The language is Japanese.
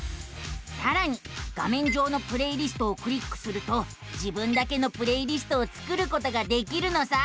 さらに画めん上の「プレイリスト」をクリックすると自分だけのプレイリストを作ることができるのさあ。